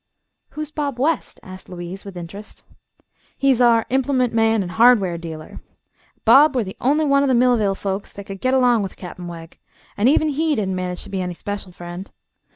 "Who is Bob West?" asked Louise, with interest. "He's our implement man, an' hardware dealer. Bob were the on'y one o' the Millville folks thet could git along with Cap'n Wegg, an' even he didn't manage to be any special friend.